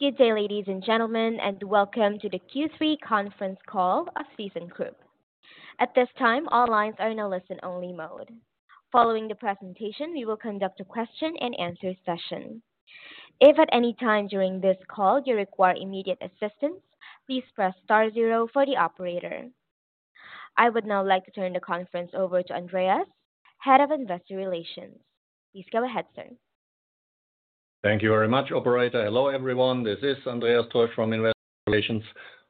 Good day, ladies and gentlemen, and welcome to the Q3 conference call of thyssenkrupp. At this time, all lines are in a listen-only mode. Following the presentation, we will conduct a question and answer session. If at any time during this call you require immediate assistance, please press star zero for the operator. I would now like to turn the conference over to Andreas, Head of Investor Relations. Please go ahead, sir. Thank you very much, operator. Hello, everyone, this is Andreas Trösch from Investor Relations.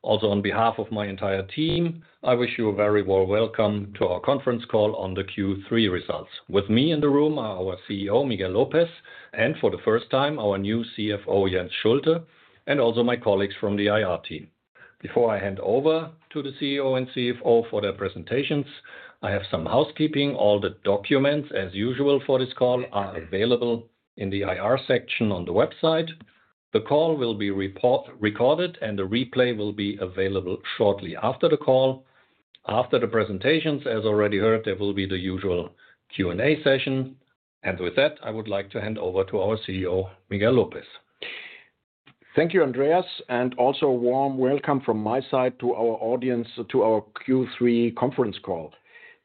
Also, on behalf of my entire team, I wish you a very warm welcome to our conference call on the Q3 results. With me in the room are our CEO, Miguel López, and for the first time, our new CFO, Jens Schulte, and also my colleagues from the IR team. Before I hand over to the CEO and CFO for their presentations, I have some housekeeping. All the documents, as usual for this call, are available in the IR section on the website. The call will be recorded, and the replay will be available shortly after the call. After the presentations, as already heard, there will be the usual Q&A session. With that, I would like to hand over to our CEO, Miguel López. Thank you, Andreas, and also a warm welcome from my side to our audience, to our Q3 conference call.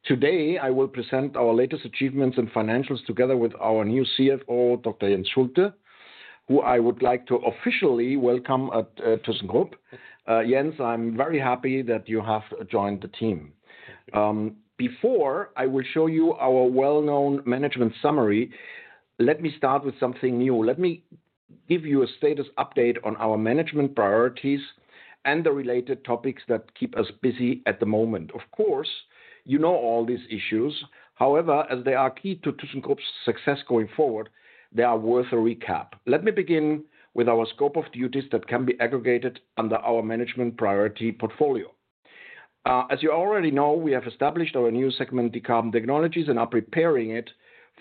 Today, I will present our latest achievements and financials together with our new CFO, Dr. Jens Schulte, who I would like to officially welcome at thyssenkrupp. Jens, I'm very happy that you have joined the team. Before I will show you our well-known management summary, let me start with something new. Let me give you a status update on our management priorities and the related topics that keep us busy at the moment. Of course, you know all these issues. However, as they are key to thyssenkrupp's success going forward, they are worth a recap. Let me begin with our scope of duties that can be aggregated under our management priority portfolio. As you already know, we have established our new segment, Decarbon Technologies, and are preparing it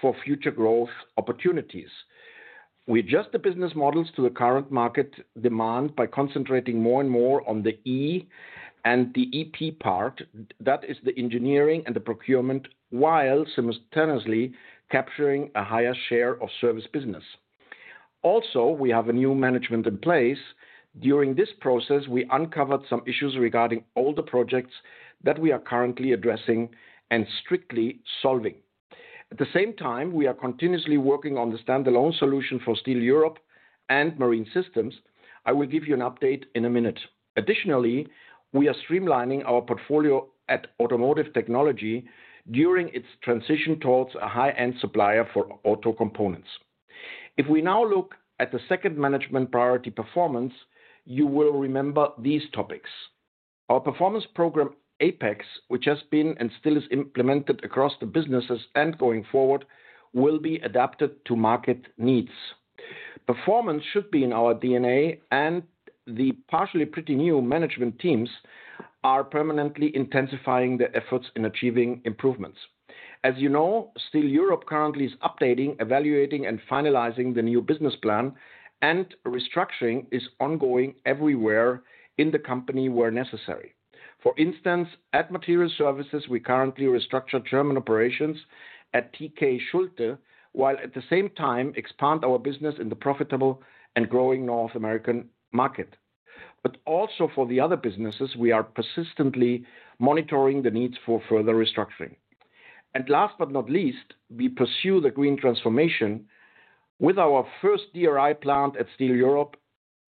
for future growth opportunities. We adjust the business models to the current market demand by concentrating more and more on the E and the EP part. That is the engineering and the procurement, while simultaneously capturing a higher share of service business. Also, we have a new management in place. During this process, we uncovered some issues regarding older projects that we are currently addressing and strictly solving. At the same time, we are continuously working on the standalone solution for Steel Europe and Marine Systems. I will give you an update in a minute. Additionally, we are streamlining our portfolio at Automotive Technology during its transition towards a high-end supplier for auto components. If we now look at the second management priority, performance, you will remember these topics. Our performance program, APEX, which has been and still is implemented across the businesses and going forward, will be adapted to market needs. Performance should be in our DNA, and the partially pretty new management teams are permanently intensifying their efforts in achieving improvements. As you know, Steel Europe currently is updating, evaluating, and finalizing the new business plan, and restructuring is ongoing everywhere in the company where necessary. For instance, at Materials Services, we currently restructure German operations at TK Schulte, while at the same time expand our business in the profitable and growing North American market. But also for the other businesses, we are persistently monitoring the needs for further restructuring. Last but not least, we pursue the green transformation with our first DRI plant at Steel Europe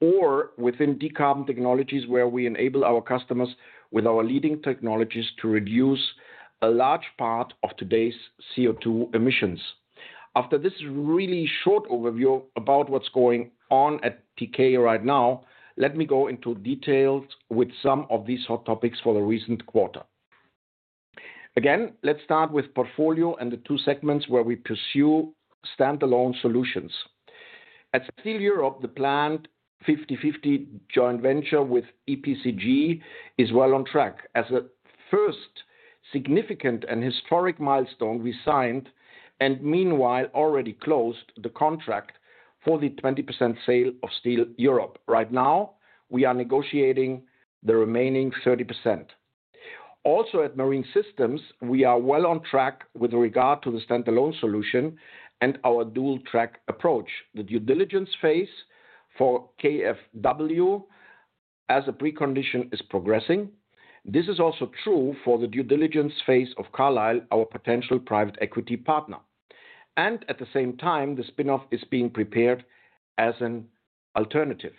or within Decarbon Technologies, where we enable our customers with our leading technologies to reduce a large part of today's CO2 emissions. After this really short overview about what's going on at TK right now, let me go into details with some of these hot topics for the recent quarter. Again, let's start with portfolio and the two segments where we pursue standalone solutions. At Steel Europe, the planned 50/50 joint venture with EPCG is well on track. As a first significant and historic milestone, we signed and meanwhile already closed the contract for the 20% sale of Steel Europe. Right now, we are negotiating the remaining 30%. Also, at Marine Systems, we are well on track with regard to the standalone solution and our dual-track approach. The due diligence phase for KfW as a precondition is progressing. This is also true for the due diligence phase of Carlyle, our potential private equity partner. At the same time, the spin-off is being prepared as an alternative.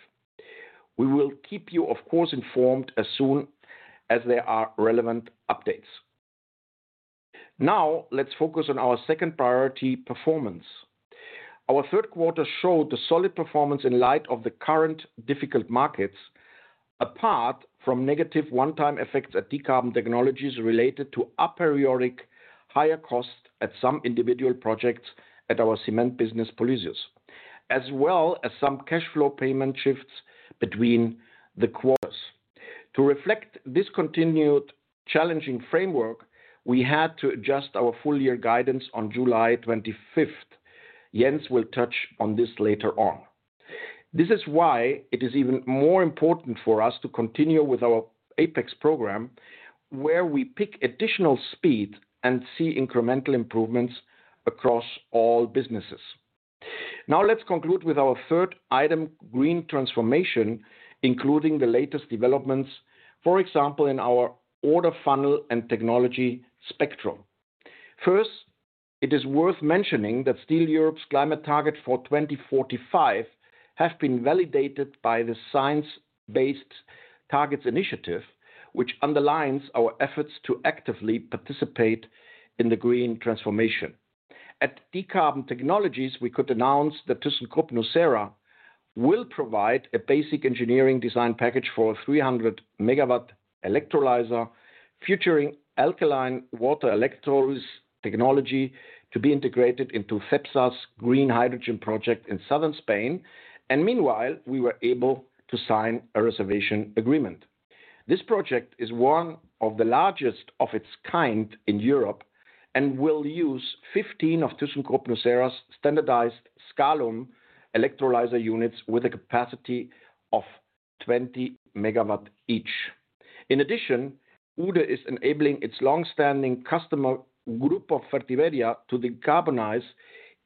We will keep you, of course, informed as soon as there are relevant updates. Now, let's focus on our second priority, performance. Our third quarter showed a solid performance in light of the current difficult markets, apart from negative one-time effects at Decarbon Technologies related to aperiodic higher costs at some individual projects at our cement business, Polysius, as well as some cash flow payment shifts between the quarters. To reflect this continued challenging framework, we had to adjust our full year guidance on July 25. Jens will touch on this later on. This is why it is even more important for us to continue with our APEX program, where we pick additional speed and see incremental improvements across all businesses. Now let's conclude with our third item, green transformation, including the latest developments, for example, in our order funnel and technology spectrum. First, it is worth mentioning that Steel Europe's climate target for 2045 have been validated by the Science-Based Targets Initiative, which underlines our efforts to actively participate in the green transformation. At Decarbon Technologies, we could announce that thyssenkrupp nucera will provide a basic engineering design package for a 300 MW electrolyzer, featuring alkaline water electrolysis technology to be integrated into Cepsa's green hydrogen project in southern Spain. And meanwhile, we were able to sign a reservation agreement. This project is one of the largest of its kind in Europe and will use 15 of thyssenkrupp nucera's standardized scalum electrolyzer units with a capacity of 20 megawatts each. In addition, Uhde is enabling its long-standing customer, Grupo Fertiberia, to decarbonize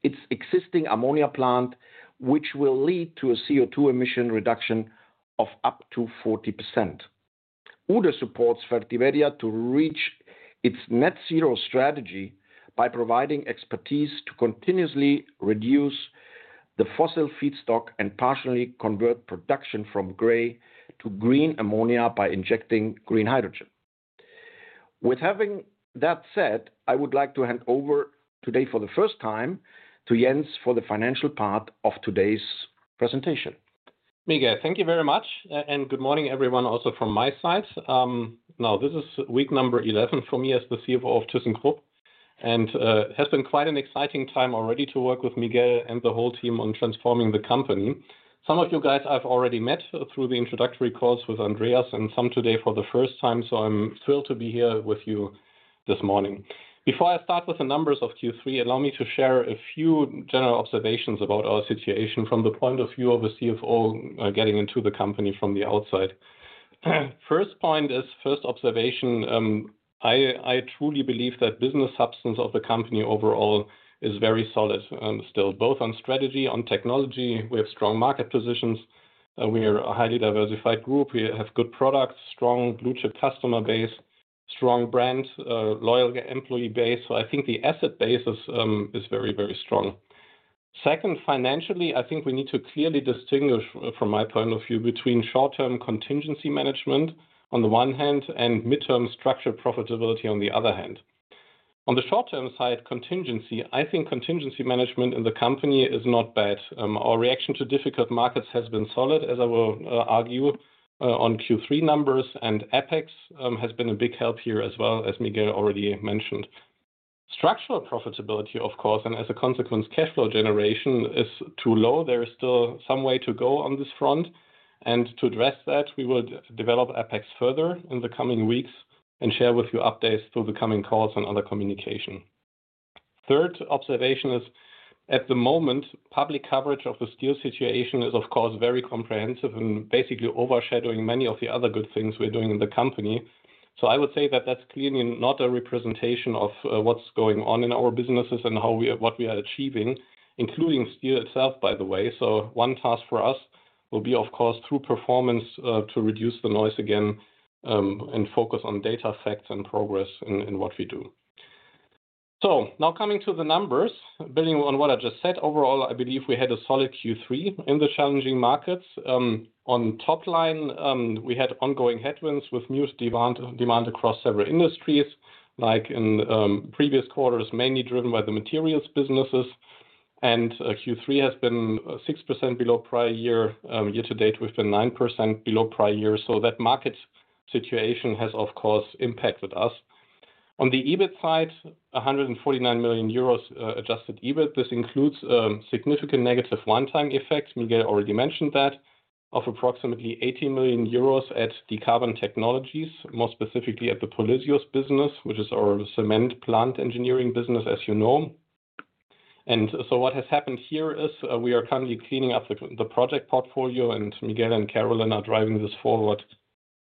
its existing ammonia plant, which will lead to a CO2 emission reduction of up to 40%. Uhde supports Fertiberia to reach its net zero strategy by providing expertise to continuously reduce the fossil feedstock and partially convert production from gray to green ammonia by injecting green hydrogen. With having that said, I would like to hand over today for the first time, to Jens, for the financial part of today's presentation. Miguel, thank you very much, and good morning, everyone, also from my side. Now, this is week number 11 for me as the CFO of thyssenkrupp, and it has been quite an exciting time already to work with Miguel and the whole team on transforming the company. Some of you guys I've already met through the introductory calls with Andreas and some today for the first time, so I'm thrilled to be here with you this morning. Before I start with the numbers of Q3, allow me to share a few general observations about our situation from the point of view of a CFO, getting into the company from the outside. First point is first observation, I truly believe that business substance of the company overall is very solid, still, both on strategy, on technology. We have strong market positions. We are a highly diversified group. We have good products, strong blue-chip customer base, strong brand, loyal employee base. So I think the asset base is very, very strong. Second, financially, I think we need to clearly distinguish, from my point of view, between short-term contingency management on the one hand, and midterm structural profitability, on the other hand. On the short-term side, contingency, I think contingency management in the company is not bad. Our reaction to difficult markets has been solid, as I will argue on Q3 numbers, and APEX has been a big help here as well, as Miguel already mentioned. Structural profitability, of course, and as a consequence, cash flow generation is too low. There is still some way to go on this front, and to address that, we would develop APEX further in the coming weeks and share with you updates through the coming calls and other communication. Third observation is, at the moment, public coverage of the steel situation is, of course, very comprehensive and basically overshadowing many of the other good things we're doing in the company. So I would say that that's clearly not a representation of what's going on in our businesses and what we are achieving, including steel itself, by the way. So one task for us will be, of course, through performance, to reduce the noise again, and focus on data, facts, and progress in what we do. So now coming to the numbers. Building on what I just said, overall, I believe we had a solid Q3 in the challenging markets. On top line, we had ongoing headwinds with reduced demand, demand across several industries, like in previous quarters, mainly driven by the materials businesses. Q3 has been 6% below prior year. Year to date, we've been 9% below prior year, so that market situation has, of course, impacted us. On the EBIT side, 149 million euros, adjusted EBIT. This includes significant negative one-time effects, Miguel already mentioned that, of approximately 80 million euros at Decarbon Technologies, more specifically at the Polysius business, which is our cement plant engineering business, as you know. What has happened here is, we are currently cleaning up the project portfolio, and Miguel and Cetin are driving this forward,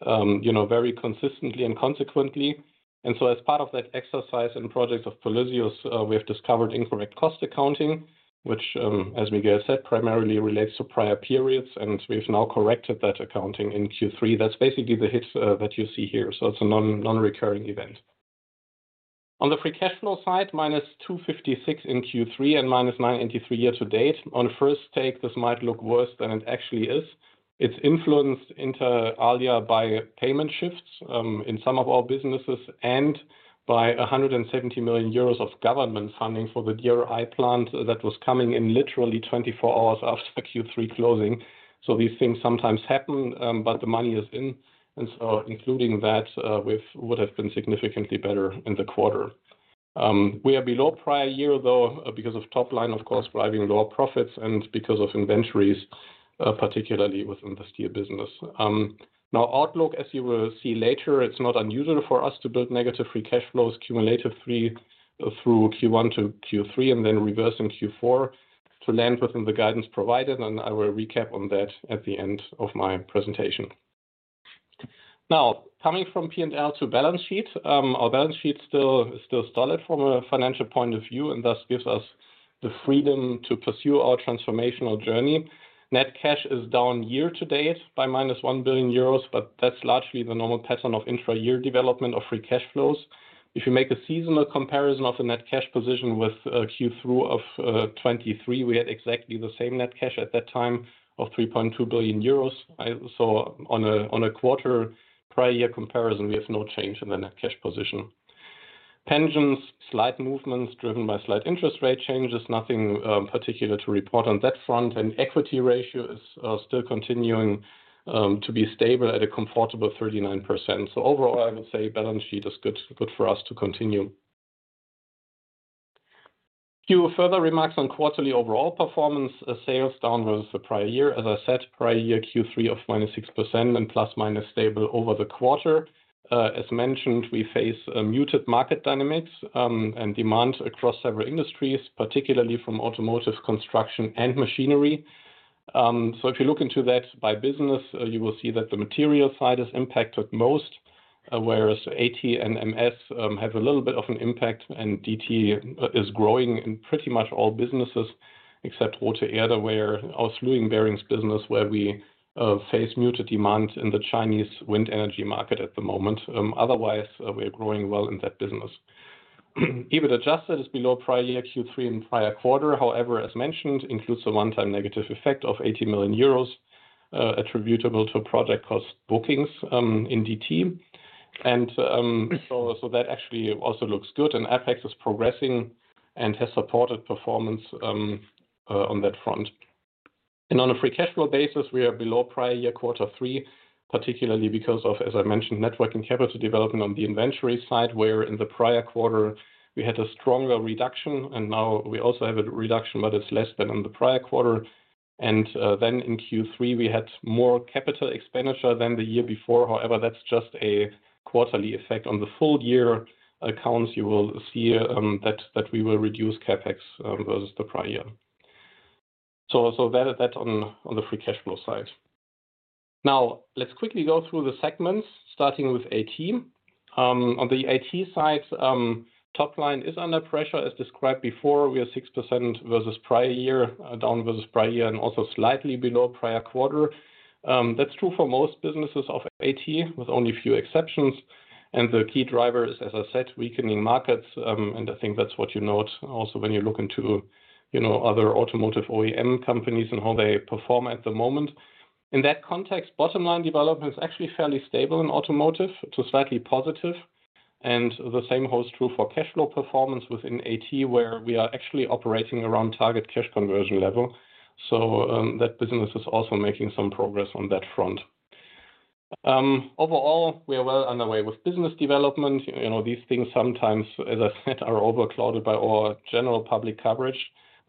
you know, very consistently and consequently. As part of that exercise and project of Polysius, we have discovered incorrect cost accounting, which, as Miguel said, primarily relates to prior periods, and we've now corrected that accounting in Q3. That's basically the hits that you see here. So it's a non-recurring event. On the free cash flow side, -256 million in Q3 and -983 million year to date. On first take, this might look worse than it actually is. It's influenced inter alia by payment shifts in some of our businesses, and by 170 million euros of government funding for the DRI plant that was coming in literally 24 hours after Q3 closing. So these things sometimes happen, but the money is in, and so including that, we would have been significantly better in the quarter. We are below prior year, though, because of top line, of course, driving lower profits and because of inventories, particularly within the steel business. Now outlook, as you will see later, it's not unusual for us to build negative free cash flows cumulative three, through Q1 to Q3, and then reverse in Q4 to land within the guidance provided, and I will recap on that at the end of my presentation. Now, coming from P&L to balance sheet, our balance sheet still, still solid from a financial point of view, and thus gives us the freedom to pursue our transformational journey. Net cash is down year to date by -1 billion euros, but that's largely the normal pattern of intra-year development of free cash flows. If you make a seasonal comparison of the net cash position with Q3 of 2023, we had exactly the same net cash at that time of 3.2 billion euros. So on a quarter prior year comparison, we have no change in the net cash position. Pensions, slight movements driven by slight interest rate changes. Nothing particular to report on that front, and equity ratio is still continuing to be stable at a comfortable 39%. So overall, I would say balance sheet is good, good for us to continue. Few further remarks on quarterly overall performance. Sales down versus the prior year, as I said, prior year Q3 of -6% and ± stable over the quarter. As mentioned, we face muted market dynamics, and demand across several industries, particularly from automotive, construction, and machinery. So if you look into that by business, you will see that the material side is impacted most, whereas AT and MS have a little bit of an impact, and DT is growing in pretty much all businesses Rothe Erde, where our slewing bearings business, where we face muted demand in the Chinese wind energy market at the moment. Otherwise, we're growing well in that business. EBIT adjusted is below prior year Q3 and prior quarter, however, as mentioned, includes a one-time negative effect of 80 million euros, attributable to project cost bookings, in DT. And, so, so that actually also looks good, and APEX is progressing and has supported performance, on that front. And on a free cash flow basis, we are below prior year quarter three, particularly because of, as I mentioned, net working capital development on the inventory side, where in the prior quarter we had a stronger reduction, and now we also have a reduction, but it's less than on the prior quarter. And, then in Q3, we had more capital expenditure than the year before. However, that's just a quarterly effect. On the full year accounts, you will see, that, that we will reduce CAPEX, versus the prior year. So, so that is that on, on the free cash flow side. Now, let's quickly go through the segments, starting with AT. On the AT side, top line is under pressure. As described before, we are 6% versus prior year, down versus prior year and also slightly below prior quarter. That's true for most businesses of AT, with only a few exceptions. The key drivers, as I said, weakening markets, and I think that's what you note also when you look into, you know, other automotive OEM companies and how they perform at the moment. In that context, bottom line development is actually fairly stable in automotive to slightly positive, and the same holds true for cash flow performance within AT, where we are actually operating around target cash conversion level. So, that business is also making some progress on that front. Overall, we are well on our way with business development. You know, these things sometimes, as I said, are overloaded by our general public coverage.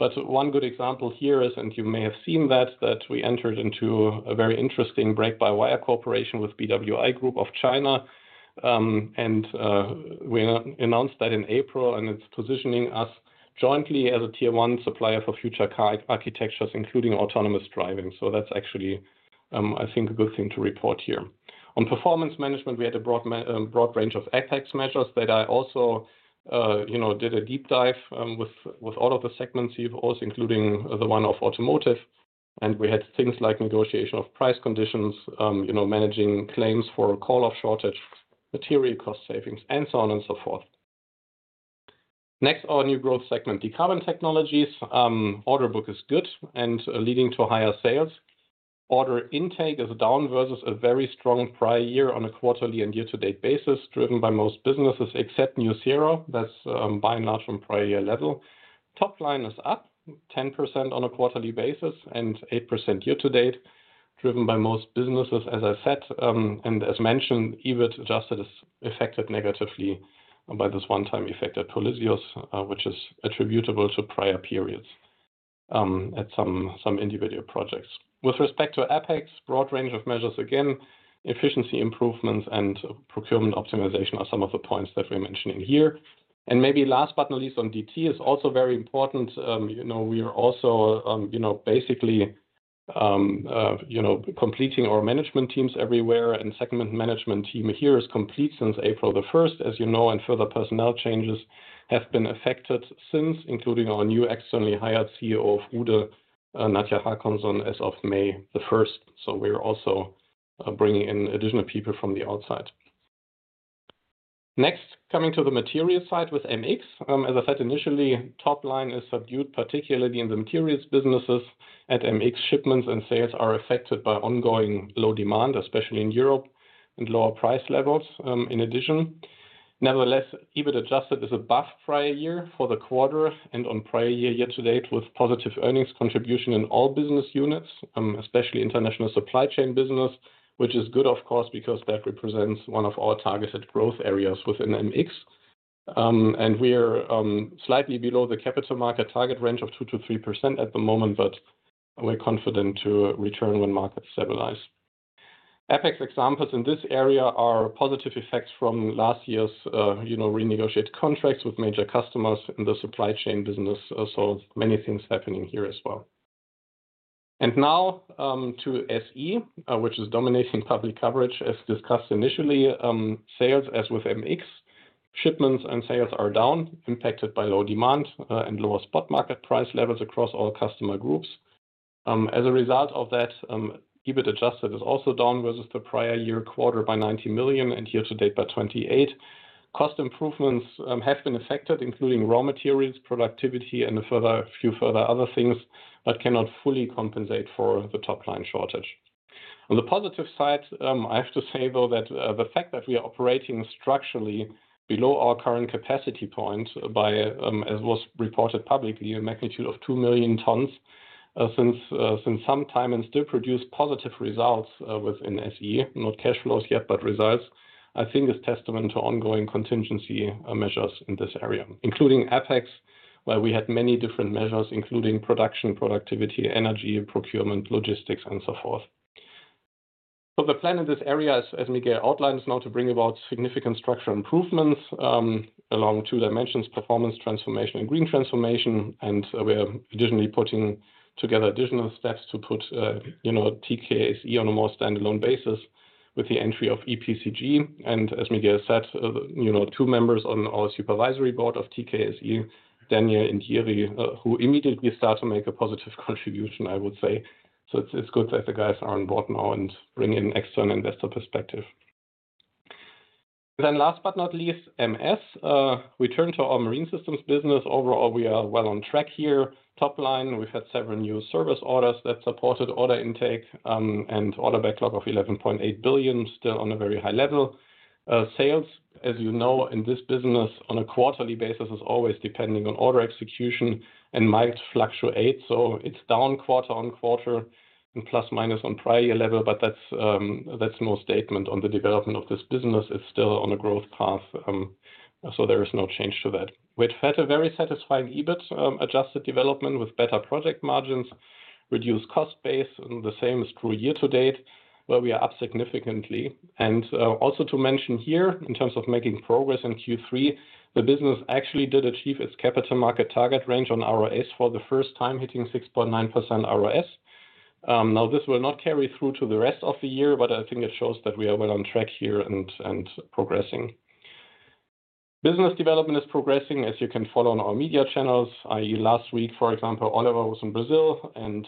But one good example here is, and you may have seen that, that we entered into a very interesting brake-by-wire cooperation with BWI Group of China. And we announced that in April, and it's positioning us jointly as a tier one supplier for future car architectures, including autonomous driving. So that's actually, I think, a good thing to report here. On performance management, we had a broad range of APEX measures that I also, you know, did a deep dive with all of the segments here, also, including the one of automotive. And we had things like negotiation of price conditions, you know, managing claims for call-off shortage, material cost savings, and so on and so forth. Next, our new growth segment, Decarbon Technologies. Order book is good and leading to higher sales. Order intake is down versus a very strong prior year on a quarterly and year-to-date basis, driven by most businesses except nucera. That's, by and large from prior year level. Top line is up 10% on a quarterly basis and 8% year to date, driven by most businesses, as I said. And as mentioned, EBIT adjusted is affected negatively by this one-time effect at Polysius, which is attributable to prior periods, at some individual projects. With respect to APEX, broad range of measures, again, efficiency improvements and procurement optimization are some of the points that we're mentioning here. And maybe last but not least, on DT is also very important. You know, we are also, you know, basically, you know, completing our management teams everywhere, and segment management team here is complete since April 1, as you know, and further personnel changes have been affected since, including our new externally hired CEO of Uhde, Nadja Håkansson, as of May 1. So we're also, bringing in additional people from the outside. Next, coming to the material side with MX. As I said, initially, top line is subdued, particularly in the materials businesses at MX. Shipments and sales are affected by ongoing low demand, especially in Europe, and lower price levels, in addition. Nevertheless, EBIT adjusted is above prior year for the quarter and on prior year, year to date, with positive earnings contribution in all business units, especially international supply chain business, which is good, of course, because that represents one of our targeted growth areas within MX. And we are, slightly below the capital market target range of 2%-3% at the moment, but we're confident to return when markets stabilize. APEX examples in this area are positive effects from last year's, you know, renegotiated contracts with major customers in the supply chain business. So many things happening here as well. And now, to SE, which is dominating public coverage. As discussed initially, sales, as with MX, shipments and sales are down, impacted by low demand, and lower spot market price levels across all customer groups. As a result of that, EBIT adjusted is also down versus the prior year quarter by 90 million, and year to date by 28 million. Cost improvements have been affected, including raw materials, productivity, and a further, few further other things, but cannot fully compensate for the top line shortage. On the positive side, I have to say, though, that the fact that we are operating structurally below our current capacity point by, as was reported publicly, a magnitude of 2,000,000 tons, since some time, and still produce positive results within SE, not cash flows yet, but results, I think is testament to ongoing contingency measures in this area, including APEX, where we had many different measures, including production, productivity, energy, procurement, logistics, and so forth. So the plan in this area, as Miguel outlined, is now to bring about significant structural improvements along two dimensions, performance transformation and green transformation. We are additionally putting together additional steps to put, you know, TKSE on a more standalone basis with the entry of EPCG. And as Miguel said, you know, two members on our supervisory board of TKSE, Daniel and Jiří, who immediately start to make a positive contribution, I would say. So it's good that the guys are on board now and bring in external investor perspective. Then last but not least, MS. We turn to our marine systems business. Overall, we are well on track here. Top line, we've had several new service orders that supported order intake, and order backlog of 11.8 billion, still on a very high level. Sales, as you know, in this business, on a quarterly basis, is always depending on order execution and might fluctuate, so it's down quarter-over-quarter and plus minus on prior year level. But that's, that's no statement on the development of this business. It's still on a growth path, so there is no change to that. We've had a very satisfying EBIT, adjusted development with better project margins, reduced cost base, and the same is true year-to-date, where we are up significantly. Also to mention here, in terms of making progress in Q3, the business actually did achieve its capital market target range on ROS for the first time, hitting 6.9% ROS. Now, this will not carry through to the rest of the year, but I think it shows that we are well on track here and progressing. Business development is progressing, as you can follow on our media channels. I.e., last week, for example, Oliver was in Brazil and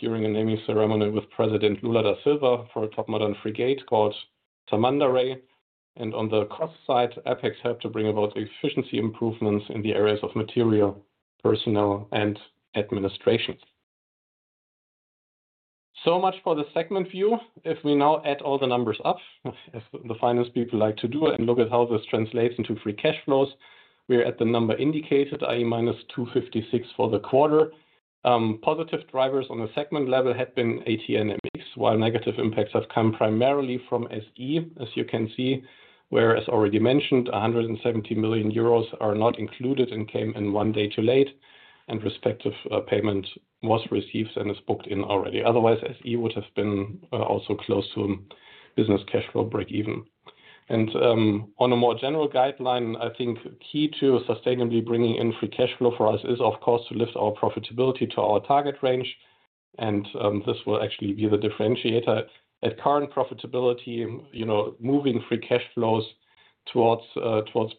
during a naming ceremony with President Lula da Silva for a top modern frigate called Tamandaré. On the cost side, APEX helped to bring about efficiency improvements in the areas of material, personnel, and administration. So much for the segment view. If we now add all the numbers up, as the finance people like to do, and look at how this translates into free cash flows, we're at the number indicated, i.e., -256 million for the quarter. Positive drivers on a segment level had been AT and MX, while negative impacts have come primarily from SE, as you can see, where, as already mentioned, 170 million euros are not included and came in one day too late, and respective payment was received and is booked in already. Otherwise, SE would have been also close to business cash flow breakeven. On a more general guideline, I think key to sustainably bringing in free cash flow for us is, of course, to lift our profitability to our target range, and this will actually be the differentiator. At current profitability, you know, moving free cash flows towards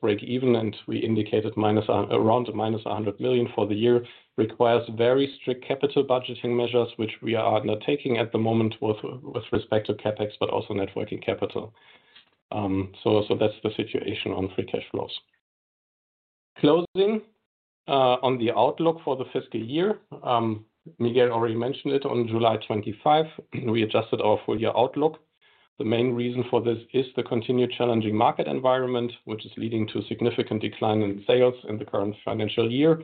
breakeven, and we indicated around minus 100 million for the year, requires very strict capital budgeting measures, which we are now taking at the moment with respect to CAPEX, but also net working capital. So that's the situation on free cash flows. Closing on the outlook for the fiscal year, Miguel already mentioned it. On July 25, we adjusted our full year outlook. The main reason for this is the continued challenging market environment, which is leading to a significant decline in sales in the current financial year.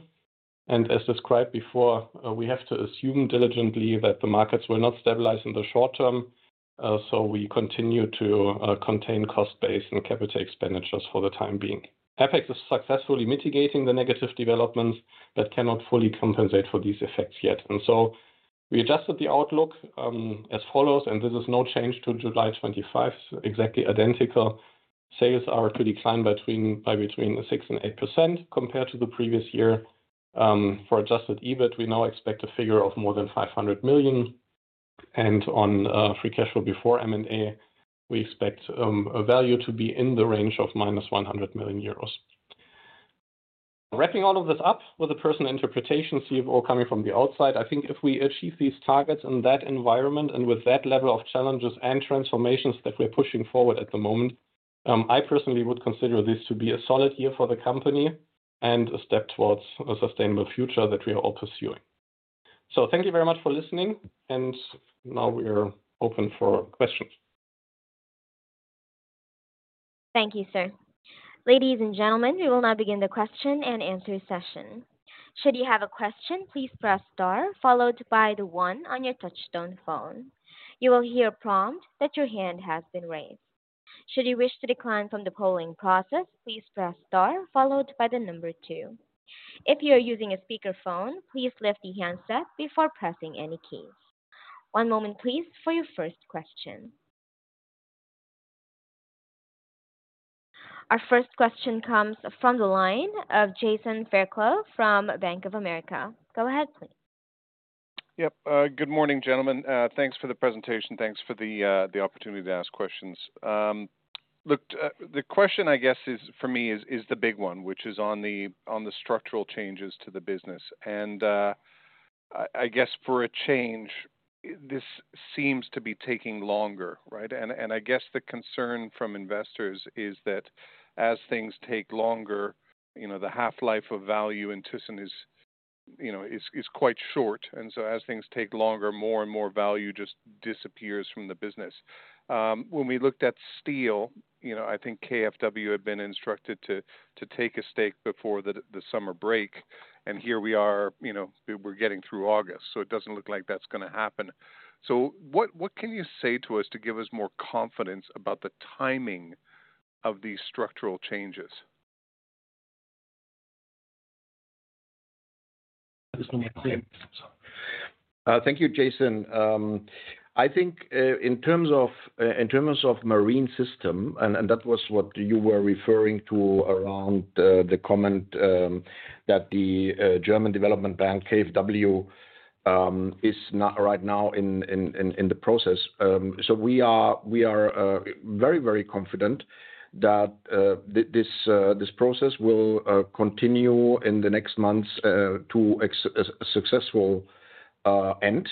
And as described before, we have to assume diligently that the markets will not stabilize in the short term, so we continue to contain cost base and capital expenditures for the time being. APEX is successfully mitigating the negative developments that cannot fully compensate for these effects yet. And so we adjusted the outlook, as follows, and this is no change to July 25, exactly identical. Sales are to decline by between 6% and 8% compared to the previous year. For adjusted EBIT, we now expect a figure of more than 500 million, and on free cash flow before M&A, we expect a value to be in the range of -100 million euros. Wrapping all of this up with a personal interpretation, CFO coming from the outside, I think if we achieve these targets in that environment and with that level of challenges and transformations that we're pushing forward at the moment, I personally would consider this to be a solid year for the company and a step towards a sustainable future that we are all pursuing. Thank you very much for listening, and now we are open for questions. Thank you, sir. Ladies and gentlemen, we will now begin the question and answer session. Should you have a question, please press Star, followed by the one on your touchtone phone. You will hear a prompt that your hand has been raised. Should you wish to decline from the polling process, please press Star followed by the number two. If you are using a speakerphone, please lift the handset before pressing any keys. One moment, please, for your first question. Our first question comes from the line of Jason Fairclough from Bank of America. Go ahead, please. Yep, good morning, gentlemen. Thanks for the presentation. Thanks for the, the opportunity to ask questions. Look, the question I guess is, for me is, is the big one, which is on the, on the structural changes to the business. And, I guess for a change, this seems to be taking longer, right? And, I guess the concern from investors is that as things take longer, you know, the half-life of value in Thyssen is, you know, is, is quite short, and so as things take longer, more and more value just disappears from the business. When we looked at steel, you know, I think KfW had been instructed to, to take a stake before the, the summer break, and here we are, you know, we're getting through August, so it doesn't look like that's gonna happen. So, what can you say to us to give us more confidence about the timing of these structural changes? Thank you, Jason. I think in terms of Marine Systems, and that was what you were referring to around the comment that the German development bank, KfW, is not right now in the process. So we are very confident that this process will continue in the next months to a successful end.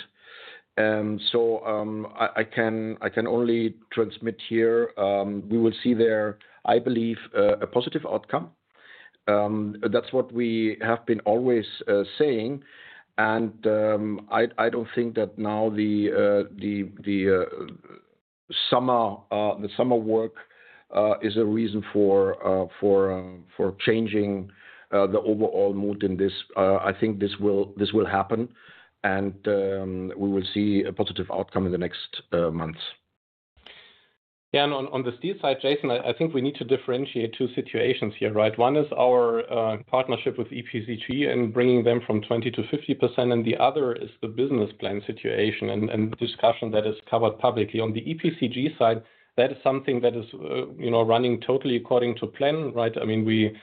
So I can only transmit here, we will see there, I believe, a positive outcome. That's what we have been always saying, and I don't think that now the summer work is a reason for changing the overall mood in this. I think this will, this will happen, and we will see a positive outcome in the next months. Yeah, on the steel side, Jason, I think we need to differentiate two situations here, right? One is our partnership with EPCG and bringing them from 20%-50%, and the other is the business plan situation and discussion that is covered publicly. On the EPCG side, that is something that is, you know, running totally according to plan, right? I mean, we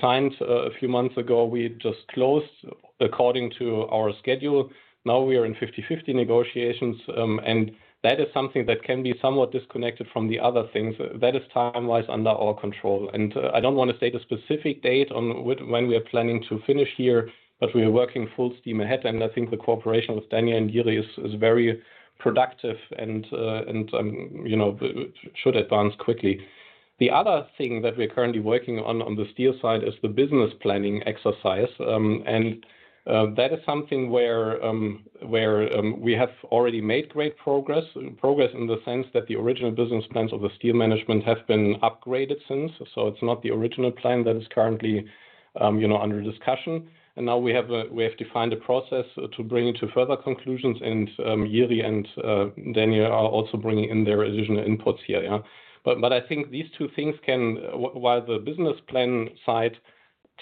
signed a few months ago. We just closed according to our schedule. Now, we are in 50/50 negotiations, and that is something that can be somewhat disconnected from the other things. That is time-wise under our control. I don't want to state a specific date on when we are planning to finish here, but we are working full steam ahead, and I think the cooperation with Daniel and Jiří is very productive and you know should advance quickly. The other thing that we're currently working on the steel side is the business planning exercise. And that is something where we have already made great progress. Progress in the sense that the original business plans of the steel management have been upgraded since. So it's not the original plan that is currently you know under discussion. And now we have defined a process to bring it to further conclusions, and Jiří and Daniel are also bringing in their additional inputs here, yeah. But I think these two things can... While the business plan side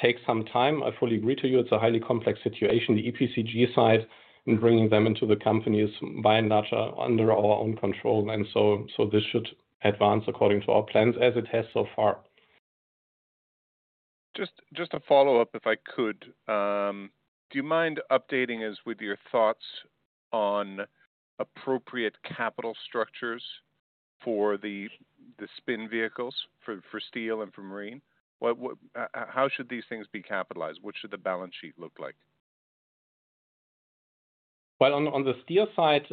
takes some time, I fully agree to you, it's a highly complex situation. The EPCG side, and bringing them into the company is, by and large, under our own control, and so this should advance according to our plans, as it has so far. Just to follow up, if I could. Do you mind updating us with your thoughts on appropriate capital structures for the spin vehicles, for steel and for marine? How should these things be capitalized? What should the balance sheet look like? Well, on the steel side,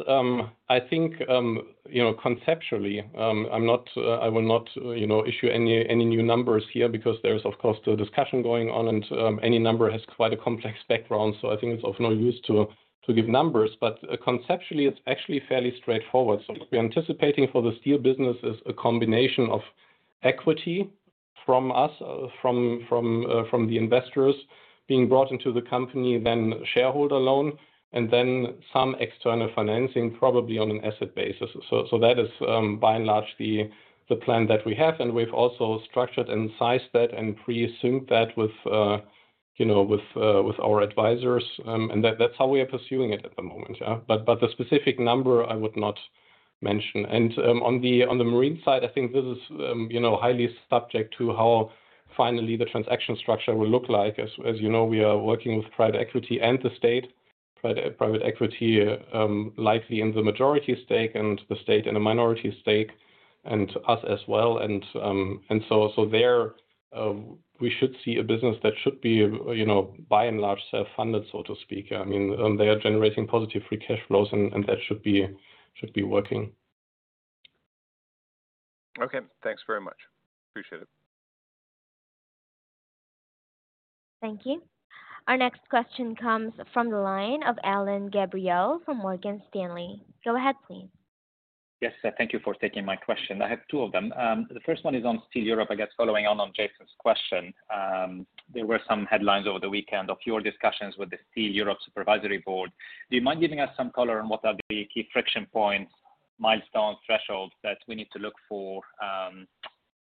I think, you know, conceptually, I'm not, I will not, you know, issue any new numbers here because there is, of course, still discussion going on, and, any number has quite a complex background, so I think it's of no use to give numbers. But conceptually, it's actually fairly straightforward. So we are anticipating for the steel business is a combination of equity from us, from the investors being brought into the company, then shareholder loan, and then some external financing, probably on an asset basis. So that is, by and large, the plan that we have, and we've also structured and sized that and pre-assumed that with, you know, with our advisors, and that's how we are pursuing it at the moment, yeah. But the specific number I would not mention. And on the marine side, I think this is, you know, highly subject to how finally the transaction structure will look like. As you know, we are working with private equity and the state. Private equity, likely in the majority stake and the state in a minority stake, and us as well. And so there, we should see a business that should be, you know, by and large, self-funded, so to speak. I mean, they are generating positive free cash flows, and that should be working. Okay, thanks very much. Appreciate it. Thank you. Our next question comes from the line of Alain Gabriel from Morgan Stanley. Go ahead, please. Yes, thank you for taking my question. I have two of them. The first one is on Steel Europe, I guess, following on Jason's question. There were some headlines over the weekend of your discussions with the Steel Europe Supervisory Board. Do you mind giving us some color on what are the key friction points, milestones, thresholds that we need to look for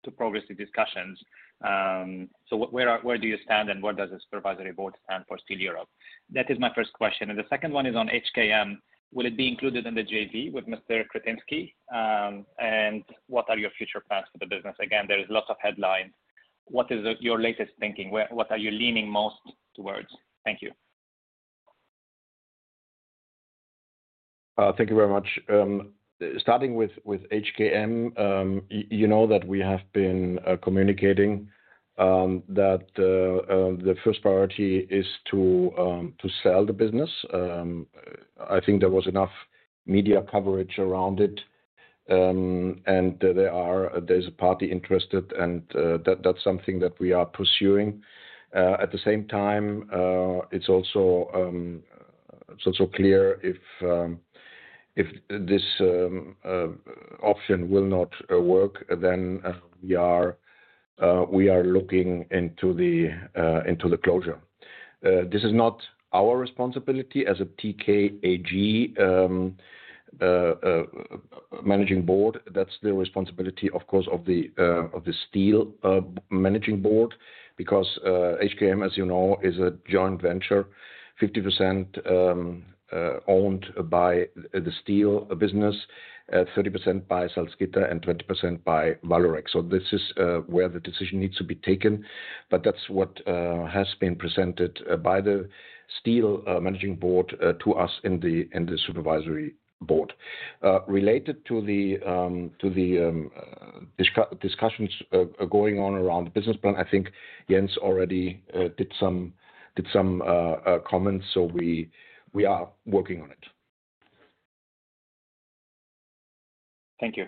to progress the discussions? So where do you stand, and where does the supervisory board stand for Steel Europe? That is my first question, and the second one is on HKM. Will it be included in the JV with Mr. Křetínský? And what are your future plans for the business? Again, there is lots of headlines. What is your latest thinking? What are you leaning most towards? Thank you. Thank you very much. Starting with HKM, you know, that we have been communicating that the first priority is to sell the business. I think there was enough media coverage around it, and there's a party interested, and that's something that we are pursuing. At the same time, it's also clear if this option will not work, then we are looking into the closure. This is not our responsibility as a TKAG Managing Board. That's the responsibility, of course, of the steel Managing Board, because HKM, as you know, is a joint venture, 50% owned by the steel business, 30% by Salzgitter, and 20% by Vallourec. So this is where the decision needs to be taken, but that's what has been presented by the steel managing board to us in the supervisory board. Related to the discussions going on around the business plan, I think Jens already did some comments, so we are working on it. Thank you.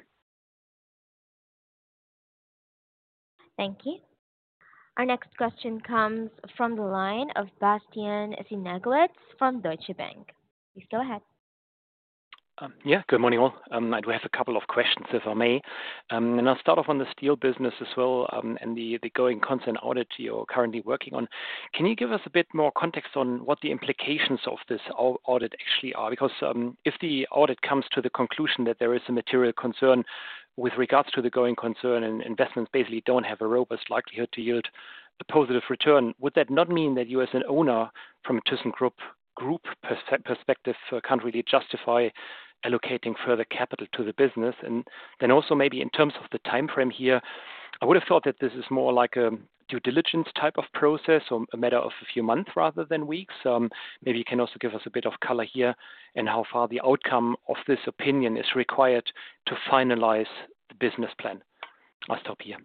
Thank you. Our next question comes from the line of Bastian Synagowitz from Deutsche Bank. Please go ahead. Yeah, good morning, all. I do have a couple of questions, if I may. And I'll start off on the steel business as well, and the going concern audit you're currently working on. Can you give us a bit more context on what the implications of this audit actually are? Because, if the audit comes to the conclusion that there is a material concern with regards to the going concern and investments basically don't have a robust likelihood to yield a positive return, would that not mean that you, as an owner from a thyssenkrupp group perspective, can't really justify allocating further capital to the business? And then also, maybe in terms of the timeframe here, I would have thought that this is more like a due diligence type of process or a matter of a few months rather than weeks. Maybe you can also give us a bit of color here, and how far the outcome of this opinion is required to finalize the business plan. I'll stop here.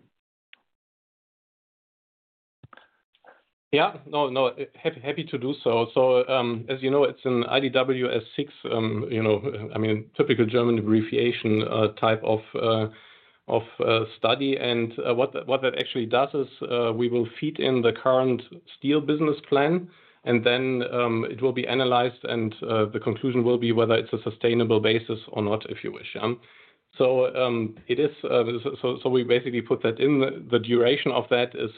Yeah. No, no, happy to do so. So, as you know, it's an IDW S6, you know, I mean, typical German abbreviation, type of study. And, what that actually does is, we will feed in the current steel business plan, and then, it will be analyzed, and, the conclusion will be whether it's a sustainable basis or not, if you wish. So, it is, so, so we basically put that in. The duration of that is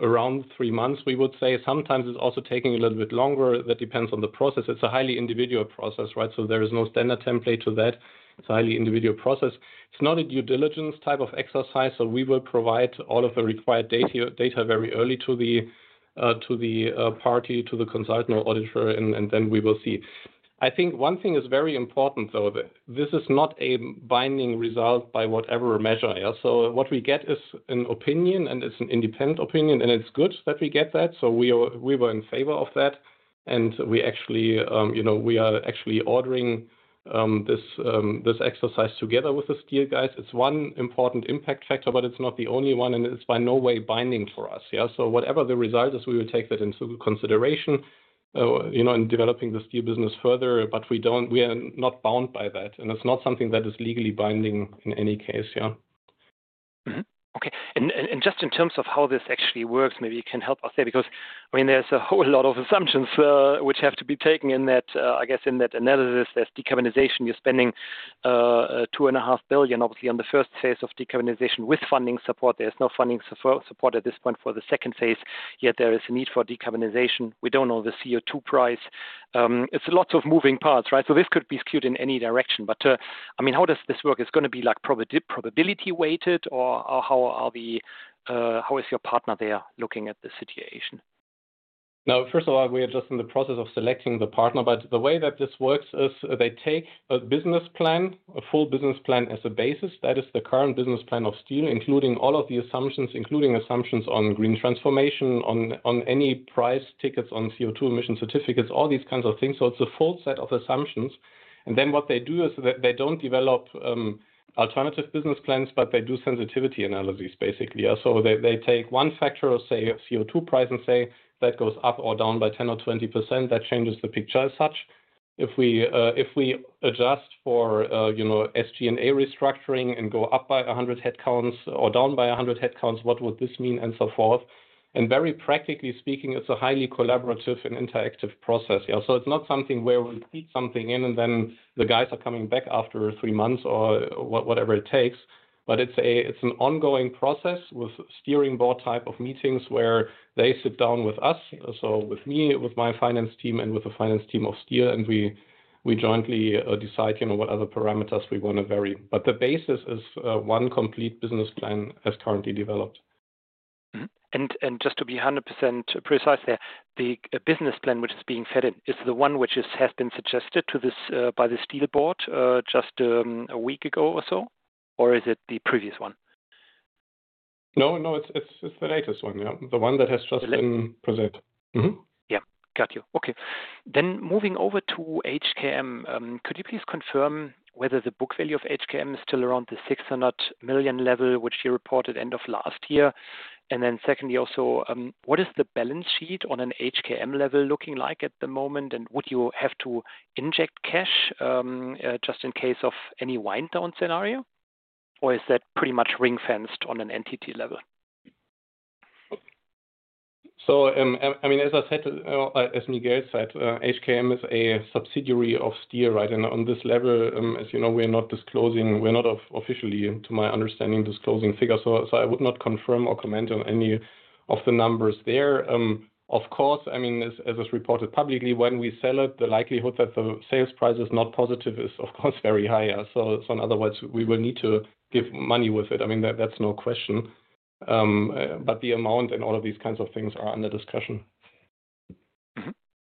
around three months, we would say. Sometimes it's also taking a little bit longer. That depends on the process. It's a highly individual process, right? So there is no standard template to that. It's a highly individual process. It's not a due diligence type of exercise, so we will provide all of the required data, data very early to the party, to the consultant or auditor, and then we will see. I think one thing is very important, though, that this is not a binding result by whatever measure. Yeah, so what we get is an opinion, and it's an independent opinion, and it's good that we get that, so we are - we were in favor of that. And we actually, you know, we are actually ordering this exercise together with the steel guys. It's one important impact factor, but it's not the only one, and it's by no way binding for us, yeah? So whatever the result is, we will take that into consideration, you know, in developing the steel business further, but we don't, we are not bound by that, and it's not something that is legally binding in any case, yeah. Okay. And just in terms of how this actually works, maybe you can help us there, because, I mean, there's a whole lot of assumptions which have to be taken in that, I guess in that analysis. There's decarbonization. You're spending 2.5 billion, obviously, on the first phase of decarbonization with funding support. There's no funding support at this point for the second phase, yet there is a need for decarbonization. We don't know the CO2 price. It's lots of moving parts, right? So this could be skewed in any direction. But, I mean, how does this work? It's gonna be like probability weighted, or how are the, how is your partner there looking at the situation? Now, first of all, we are just in the process of selecting the partner, but the way that this works is they take a business plan, a full business plan as a basis. That is the current business plan of steel, including all of the assumptions, including assumptions on green transformation, on, on any price tickets, on CO2 emission certificates, all these kinds of things. So it's a full set of assumptions. And then what they do is they, they don't develop, alternative business plans, but they do sensitivity analyses, basically. Yeah, so they, they take one factor, say, CO2 price, and say, that goes up or down by 10% or 20%. That changes the picture as such. If we, if we adjust for, you know, SG&A restructuring and go up by 100 headcounts or down by 100 headcounts, what would this mean? And so forth. Very practically speaking, it's a highly collaborative and interactive process. Yeah, so it's not something where we feed something in, and then the guys are coming back after three months or whatever it takes, but it's it's an ongoing process with steering board type of meetings where they sit down with us, so with me, with my finance team and with the finance team of steel, and we, we jointly, decide, you know, what other parameters we want to vary. But the basis is, one complete business plan as currently developed. And just to be 100% precise there, the business plan, which is being fed in, is the one which has been suggested to this by the steel board just a week ago or so? Or is it the previous one? No, no, it's the latest one. Yeah, the one that has just been presented.\ Yeah, got you. Okay. Then moving over to HKM, could you please confirm whether the book value of HKM is still around the 600 million level, which you reported end of last year? And then secondly, also, what is the balance sheet on an HKM level looking like at the moment? And would you have to inject cash, just in case of any wind down scenario, or is that pretty much ring-fenced on an entity level? So, I mean, as I said, as Miguel said, HKM is a subsidiary of Steel, right? And on this level, as you know, we're not officially, to my understanding, disclosing figures, so I would not confirm or comment on any of the numbers there. Of course, I mean, as was reported publicly, when we sell it, the likelihood that the sales price is not positive is, of course, very high. So in other words, we will need to give money with it. I mean, that's no question. But the amount and all of these kinds of things are under discussion.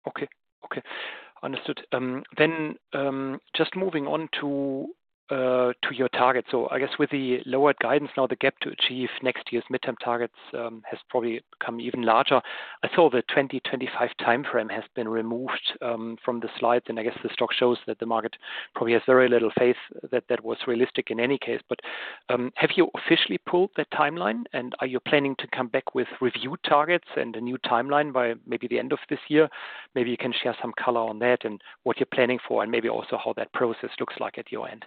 Okay. Okay, understood. Then, just moving on to your target. So I guess with the lowered guidance, now the gap to achieve next year's midterm targets has probably become even larger. I saw the 2025 timeframe has been removed from the slides, and I guess the stock shows that the market probably has very little faith that that was realistic in any case. But have you officially pulled the timeline, and are you planning to come back with review targets and a new timeline by maybe the end of this year? Maybe you can share some color on that and what you're planning for, and maybe also how that process looks like at your end.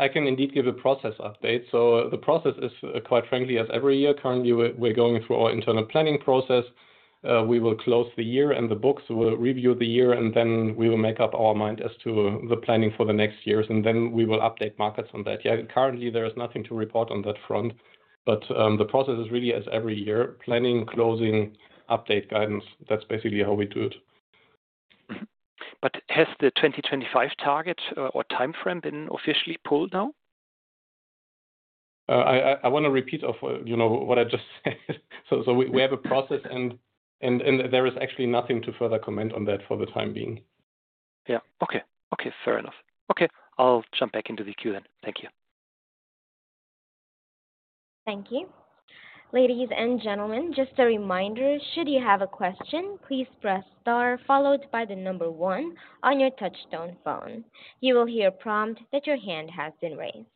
I can indeed give a process update. The process is, quite frankly, as every year. Currently, we're going through our internal planning process. We will close the year and the books, we'll review the year, and then we will make up our mind as to the planning for the next years, and then we will update markets on that. Yeah, currently there is nothing to report on that front, but the process is really as every year, planning, closing, update, guidance. That's basically how we do it. But has the 2025 target, or timeframe been officially pulled now? I wanna repeat of, you know, what I just said. So, we have a process and, there is actually nothing to further comment on that for the time being. Yeah. Okay. Okay, fair enough. Okay, I'll jump back into the queue then. Thank you. Thank you. Ladies and gentlemen, just a reminder, should you have a question, please press star followed by the number one on your touch-tone phone. You will hear a prompt that your hand has been raised.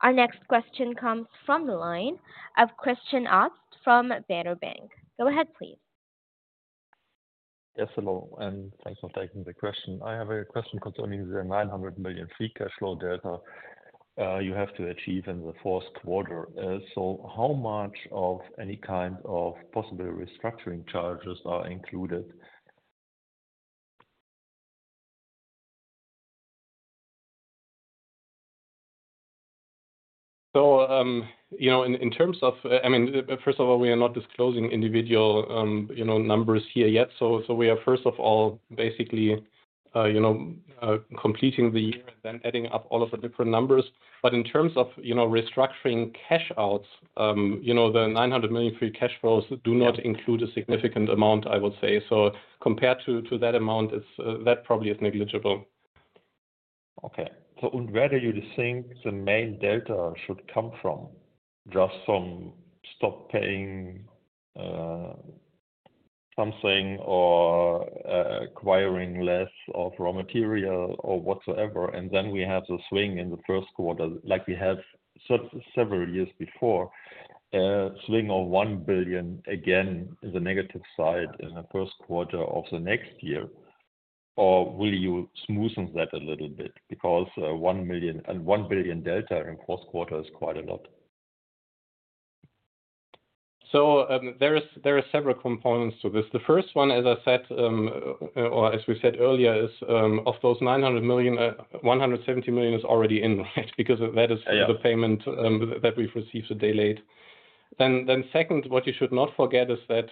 Our next question comes from the line of Christian Obst from Baader Bank. Go ahead, please. Yes, hello, and thanks for taking the question. I have a question concerning the 900 million free cash flow delta you have to achieve in the fourth quarter. So how much of any kind of possible restructuring charges are included? So, you know, in terms of... I mean, first of all, we are not disclosing individual, you know, numbers here yet. So, first of all, basically, you know, completing the year and then adding up all of the different numbers. But in terms of, you know, restructuring cash outs, you know, the 900 million free cash flows do not include Yeah a significant amount, I would say. So compared to that amount, it's that probably is negligible. Okay. So where do you think the main delta should come from? Just from stop paying, something or, acquiring less of raw material or whatsoever, and then we have the swing in the first quarter, like we have several years before, swing of 1 billion again, in the negative side in the first quarter of the next year? Or will you smoothen that a little bit? Because, 1 million and 1 billion delta in fourth quarter is quite a lot. So, there is, there are several components to this. The first one, as I said, or as we said earlier, is, of those 900 million, 170 million is already in, right? Because that is- Yeah the payment that we've received a day late. Then second, what you should not forget is that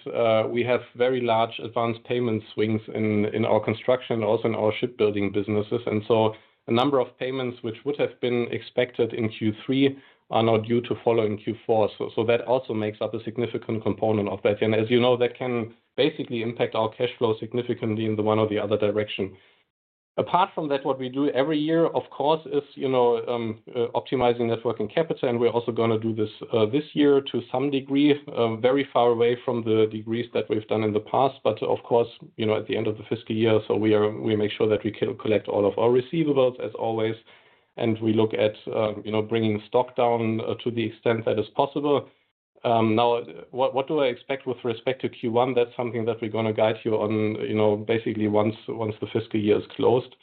we have very large advanced payment swings in our construction and also in our shipbuilding businesses. And so a number of payments which would have been expected in Q3 are now due to follow in Q4. So that also makes up a significant component of that. And as you know, that can basically impact our cash flow significantly in the one or the other direction. Apart from that, what we do every year, of course, is, you know, optimizing Net Working Capital, and we're also gonna do this this year to some degree, very far away from the degrees that we've done in the past. But of course, you know, at the end of the fiscal year, so we make sure that we collect all of our receivables as always, and we look at, you know, bringing stock down to the extent that is possible. Now, what do I expect with respect to Q1? That's something that we're gonna guide you on, you know, basically once the fiscal year is closed.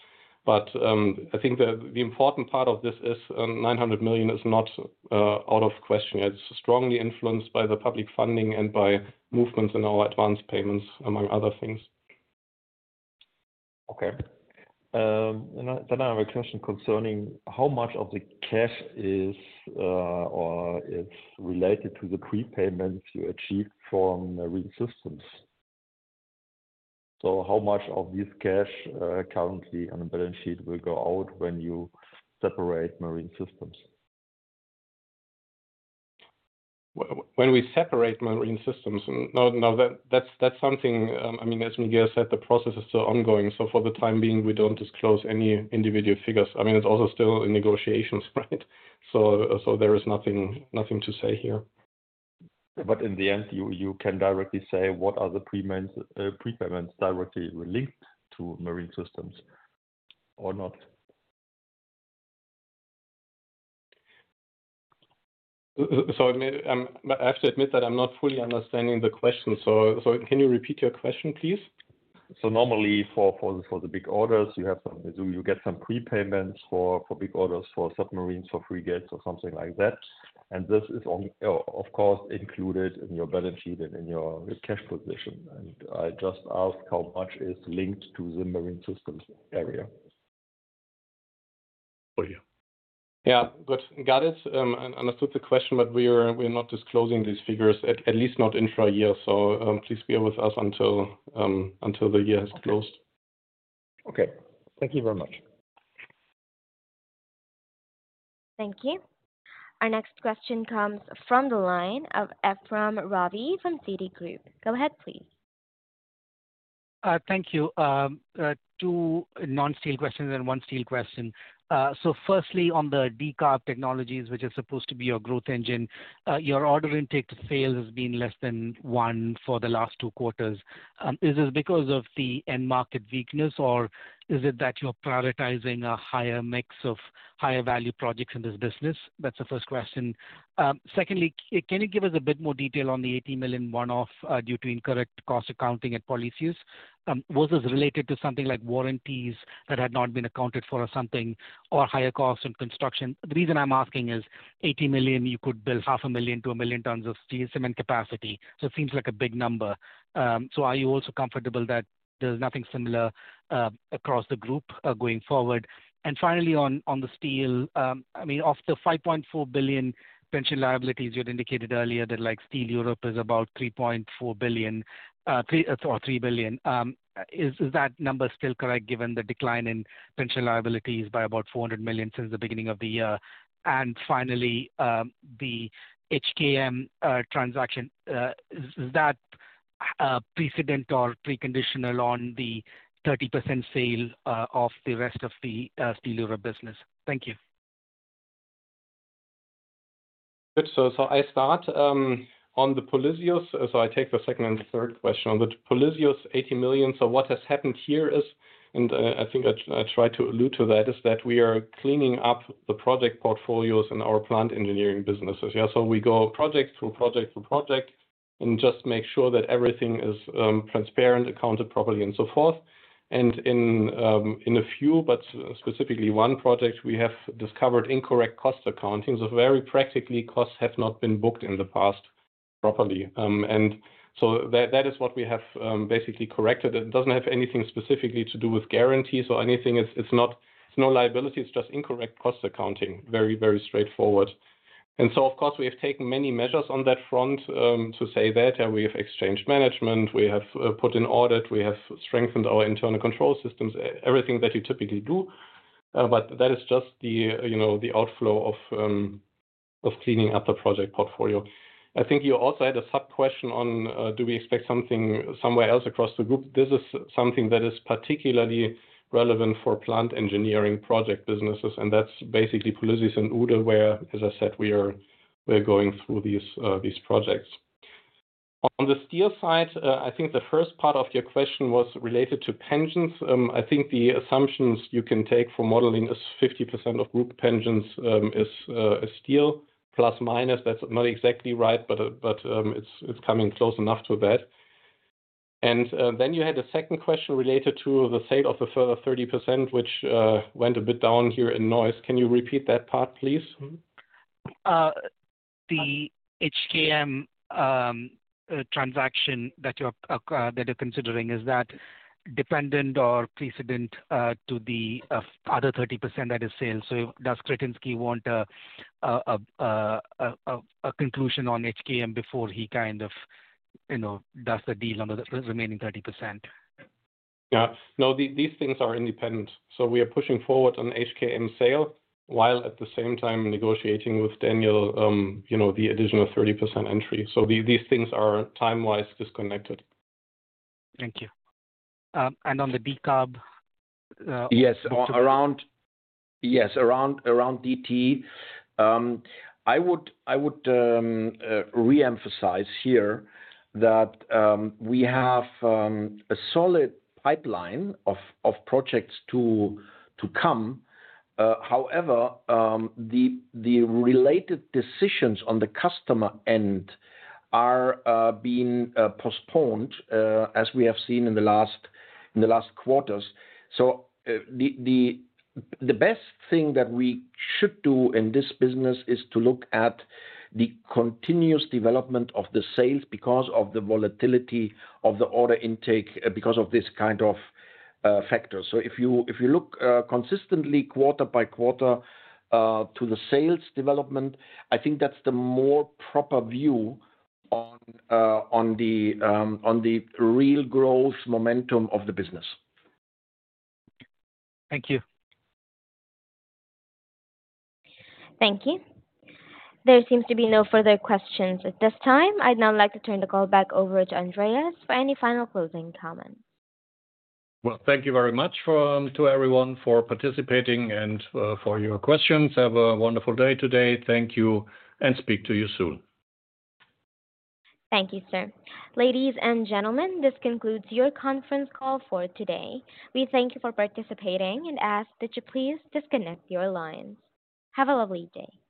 But I think the important part of this is, 900 million is not out of question. It's strongly influenced by the public funding and by movements in our advance payments, among other things. Okay. And then I have a question concerning how much of the cash is, or it's related to the prepayments you achieved from Marine Systems. So how much of this cash currently on the balance sheet will go out when you separate Marine Systems? When we separate Marine Systems, and now that that's something, I mean, as Miguel said, the process is still ongoing, so for the time being, we don't disclose any individual figures. I mean, it's also still in negotiations, right? So, there is nothing to say here. But in the end, you, you can directly say what are the pre-maints, prepayments directly linked to Marine Systems or not? So, may I have to admit that I'm not fully understanding the question. So, can you repeat your question, please? So normally, for the big orders, do you get some prepayments for big orders, for submarines, for frigates or something like that? And this is on, of course, included in your balance sheet and in your cash position. And I just asked how much is linked to the Marine Systems area. For you. Yeah. Good. Got it. I understood the question, but we're not disclosing these figures, at least not intra year. So, please bear with us until the year has closed. Okay. Thank you very much. Thank you. Our next question comes from the line of Ephrem Ravi from Citigroup. Go ahead, please. Thank you. Two non-steel questions and one steel question. Firstly, on the Decarb Technologies, which is supposed to be your growth engine, your order intake to sales has been less than one for the last two quarters. Is this because of the end market weakness, or is it that you're prioritizing a higher mix of higher value projects in this business? That's the first question. Secondly, can you give us a bit more detail on the 80 million one-off due to incorrect cost accounting at Polysius? Was this related to something like warranties that had not been accounted for or something, or higher costs in construction? The reason I'm asking is 80 million, you could build 500,000 to 1 million tons of steel cement capacity, so it seems like a big number. So are you also comfortable that there's nothing similar across the group going forward? And finally, on the steel, I mean, of the 5.4 billion pension liabilities, you had indicated earlier that, like, Steel Europe is about 3.4 billion or 3 billion. Is that number still correct given the decline in pension liabilities by about 400 million since the beginning of the year? And finally, the HKM transaction, is that precedent or preconditional on the 30% sale of the rest of the Steel Europe business? Thank you. Good. So I start on the Polysius. So I take the second and the third question. On the Polysius 80 million, so what has happened here is, and I think I tried to allude to that, is that we are cleaning up the project portfolios in our plant engineering businesses. Yeah, so we go project to project to project, and just make sure that everything is transparent, accounted properly, and so forth. And in a few, but specifically one project, we have discovered incorrect cost accounting. So very practically, costs have not been booked in the past properly. And so that is what we have basically corrected. It doesn't have anything specifically to do with guarantees or anything. It's not liability, it's just incorrect cost accounting. Very straightforward. And so of course, we have taken many measures on that front, to say that, and we have exchanged management, we have put in audit, we have strengthened our internal control systems, everything that you typically do. But that is just the, you know, the outflow of cleaning up the project portfolio. I think you also had a sub-question on, do we expect something somewhere else across the group? This is something that is particularly relevant for plant engineering project businesses, and that's basically Polysius and Uhde, where, as I said, we are going through these projects. On the steel side, I think the first part of your question was related to pensions. I think the assumptions you can take for modeling is 50% of group pensions, is steel, plus, minus. That's not exactly right, but it's coming close enough to that. And then you had a second question related to the sale of a further 30%, which went a bit down here in noise. Can you repeat that part, please? The HKM transaction that you're considering, is that dependent or precedent to the other 30% that is sale? So does Křetínský want a conclusion on HKM before he kind of, you know, does the deal on the remaining 30%? Yeah. No, these things are independent. So we are pushing forward on HKM sale, while at the same time negotiating with Daniel, you know, the additional 30% entry. So these things are time-wise disconnected. Thank you. And on the Decarb, Yes. Around DT, I would reemphasize here that we have a solid pipeline of projects to come. However, the related decisions on the customer end are being postponed, as we have seen in the last quarters. So, the best thing that we should do in this business is to look at the continuous development of the sales, because of the volatility of the order intake because of this kind of factor. So if you look consistently, quarter by quarter, to the sales development, I think that's the more proper view on the real growth momentum of the business. Thank you. Thank you. There seems to be no further questions at this time. I'd now like to turn the call back over to Andreas for any final closing comments. Well, thank you very much to everyone for participating and for your questions. Have a wonderful day today. Thank you, and speak to you soon. Thank you, sir. Ladies and gentlemen, this concludes your conference call for today. We thank you for participating, and ask that you please disconnect your lines. Have a lovely day.